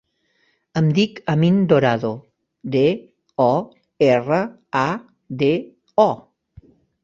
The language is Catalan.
Em dic Amin Dorado: de, o, erra, a, de, o.